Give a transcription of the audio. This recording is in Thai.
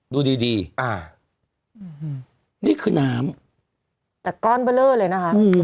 ดูดีดีอ่านี่คือน้ำแต่ก้อนเบลอเลยนะฮะอุ้ย